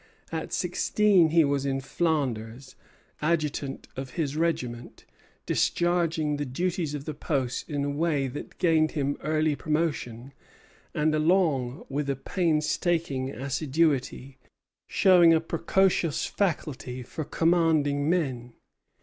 At sixteen he was in Flanders, adjutant of his regiment, discharging the duties of the post in a way that gained him early promotion and, along with a painstaking assiduity, showing a precocious faculty for commanding men.